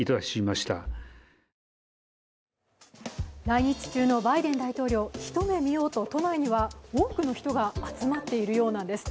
来日中のバイデン大統領、ひと目見ようと都内には多くの人が集まっているようなんです。